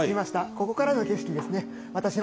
ここからの景色ですね。